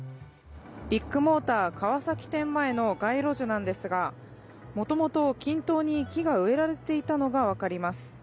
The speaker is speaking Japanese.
ビッグモーター川崎店前の街路樹ですがもともと均等に、木が植えられていたのが分かります。